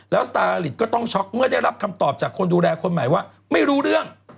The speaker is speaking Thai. แล้วสตาลิตก็ต้องช็อกเมื่อได้รับคำตอบจากคนดูแลคนใหม่ว่าไม่รู้เรื่อง